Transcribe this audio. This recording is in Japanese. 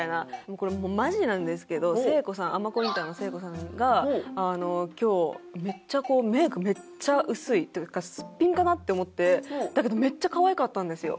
これもうマジなんですけど誠子さん尼神インターの誠子さんが今日めっちゃメイクめっちゃ薄いというかすっぴんかな？って思ってだけどめっちゃかわいかったんですよ。